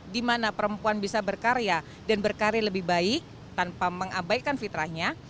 di mana perempuan bisa berkarya dan berkarir lebih baik tanpa mengabaikan fitrahnya